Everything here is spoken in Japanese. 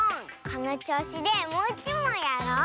このちょうしでもういちもんやろう！